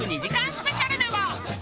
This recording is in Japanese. スペシャルでは。